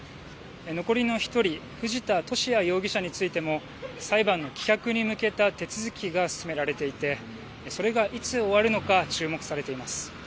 残りの１人、藤田聖也容疑者についても、裁判の棄却に向けた手続きが進められていて、それがいつ終わるのか注目されています。